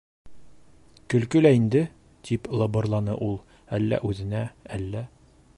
—Көлкө лә инде! —тип лыбырланы ул, әллә үҙенә, әллә